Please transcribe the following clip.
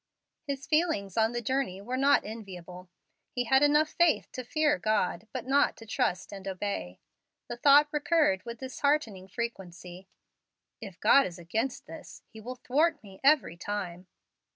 His feelings on the journey were not enviable. He had enough faith to fear God, but not to trust and obey. The thought recurred with disheartening frequency, "If God is against this, He will thwart me every time."